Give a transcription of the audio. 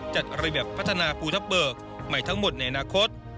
จัดระเบียบพัฒนาภูทับเบิกใหม่ทั้งหมดในอนาคต